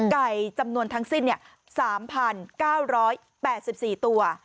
จำนวนทั้งสิ้น๓๙๘๔ตัว